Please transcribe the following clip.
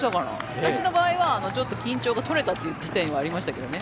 私の場合は緊張が取れたという事態はありましたけどね。